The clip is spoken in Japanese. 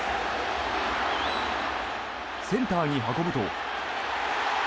センターに運ぶと。